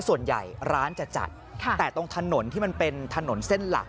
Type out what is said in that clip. ส่วนใหญ่ร้านจะจัดแต่ตรงถนนที่มันเป็นถนนเส้นหลัก